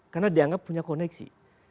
karena dianggap punya koneksi